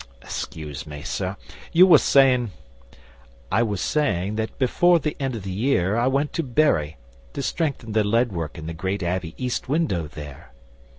Excuse me, sir. You was sayin' ' 'I was saying that before the end of the year I went to Bury to strengthen the lead work in the great Abbey east window there.